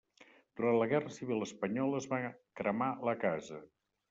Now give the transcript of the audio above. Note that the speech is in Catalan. Durant la Guerra Civil Espanyola es va cremar la casa.